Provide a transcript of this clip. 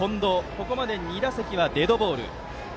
ここまで２打席はデッドボール。